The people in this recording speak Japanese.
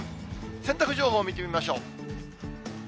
洗濯情報見てみましょう。